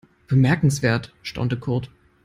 Bemerkenswert, staunte Kurt.